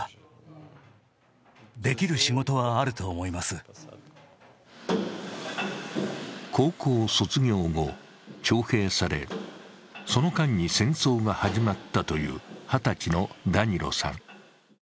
更に高校卒業後、徴兵され、その間に戦争が始まったという二十歳のダニロさん。